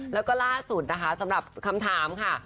แล้วก็ล่าสุดนะคะสำหรับคำถามค่ะ